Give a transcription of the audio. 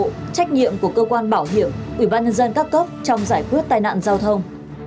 trách nhiệm của cơ quan bảo hiểm ủy ban nhân dân các cấp trong giải quyết tai nạn giao thông